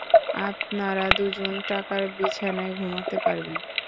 আপনারা দুজন টাকার, বিছানায় ঘুমোতে পারবেন।